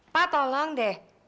pak tolong deh